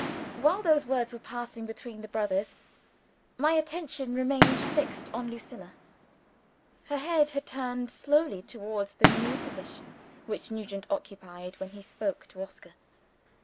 While those words were passing between the brothers, my attention remained fixed on Lucilla. Her head had turned slowly towards the new position which Nugent occupied when he spoke to Oscar.